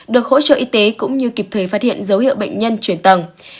được hỗ trợ y tế cũng như kịp thời phát hiện dấu hiệu bệnh nhân chuyển tầng